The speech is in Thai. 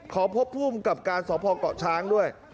ขอพบผู้กำกับการสอบภอกเกาะช้างด้วย